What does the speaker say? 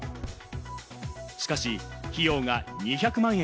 しかし費用が２００万円